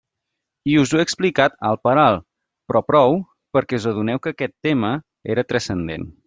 I us ho he explicat alt per alt, però prou perquè us adoneu que aquest tema era transcendent.